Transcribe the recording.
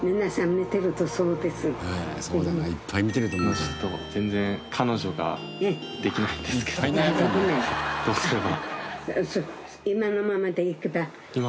ちょっと全然彼女ができないんですけどどうすれば？